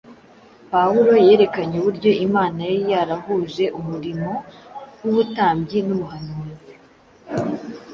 Pawulo yerekanye uburyo Imana yari yarahuje umurimo w’ubutambyi n’ubuhanuzi